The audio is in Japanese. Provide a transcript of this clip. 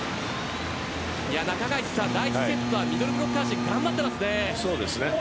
第１セットはミドルブロッカー陣頑張ってますね。